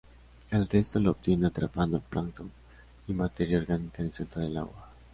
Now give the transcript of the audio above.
El resto lo obtienen atrapando plancton y materia orgánica disuelta del agua.